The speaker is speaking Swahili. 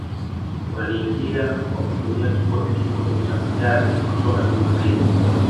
Waliingia kwa kutumia kikosi kidogo cha magari na kuchoma nyumba mbili